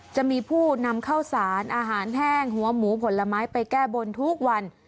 จะมีผู้นำข้าวสารอาหารแห้งหัวหมูผลไม้ไปแก้บนทุกวัน